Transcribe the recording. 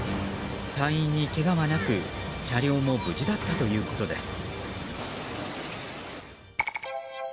隊員にけがはなく車両も無事だったということです。